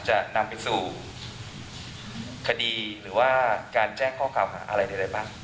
จะนำไปสู่คดีหรือว่าการแจ้งข้อกล่าวหาอะไรใดบ้าง